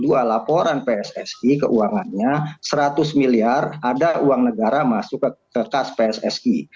tahun dua ribu dua puluh dua laporan pssi keuangannya seratus miliar ada uang negara masuk ke kas pssi